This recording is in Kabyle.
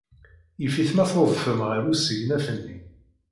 Yif-it ma tudfem ɣer usegnaf-nni.